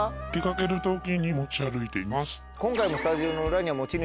今回も。